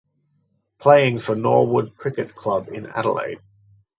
Playing for Norwood Cricket Club in Adelaide.